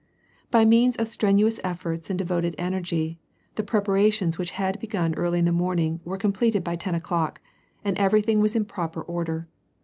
By means of strenuous efforts and devoted energy, the prep arations which had begun early in the morning were com pleted by ten o'clock, and everything was in proper order.